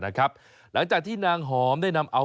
หลังจากที่นางหอมได้นำเอา